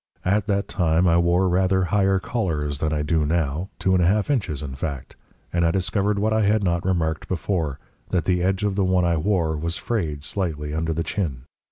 At that time I wore rather higher collars than I do now two and a half inches, in fact and I discovered what I had not remarked before, that the edge of the one I wore was frayed slightly under the chin.